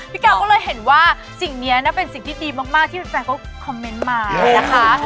พี่กาวก็เลยเห็นว่าสิ่งนี้นะเป็นสิ่งที่ดีมากที่แฟนเขาคอมเมนต์มานะคะ